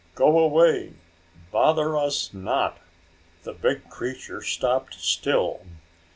Go away! Bother us not!" The big creature stopped still.